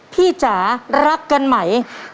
พี่จารักกันไหม